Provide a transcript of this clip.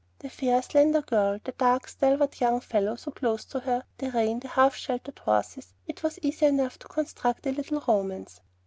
The fair, slender girl, the dark, stalwart young fellow so close to her, the rain, the half sheltered horses, it was easy enough to construct a little romance.